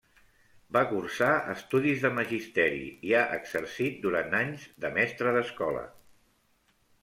Va cursar estudis de magisteri i ha exercit durant anys de mestre d'escola.